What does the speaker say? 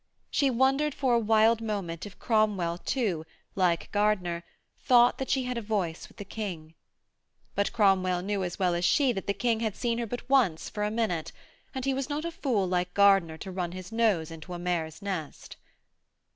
She wondered for a wild moment if Cromwell, too, like Gardiner, thought that she had a voice with the King. But Cromwell knew as well as she that the King had seen her but once for a minute, and he was not a fool like Gardiner to run his nose into a mare's nest.